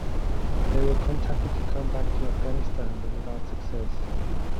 They were contacted to come back to Afghanistan but without success.